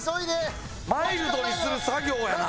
マイルドにする作業やな。